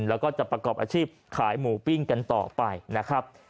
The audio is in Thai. แล้วก็จะประกอบอาชีพขายหมูปิ้งกันต่อไปนะครับ